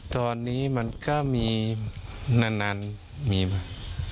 ตอนนี้มันก็มีนานมีมา